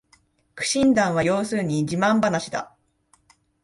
苦心談は要するに自慢ばなしだ